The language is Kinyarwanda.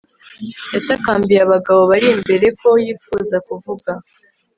Yatakambiye abagabo bari imbere ko yifuza kuvuga